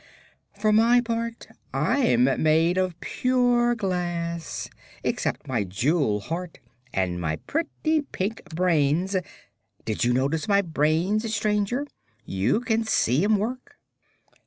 For my part, I'm made of pure glass except my jewel heart and my pretty pink brains. Did you notice my brains, stranger? You can see 'em work."